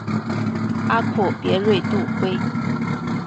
阿库别瑞度规。